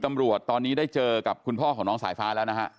ตำรวจตอนนี้ได้เจอกับคุณพ่อของน้องสายฟ้าแล้วนะฮะ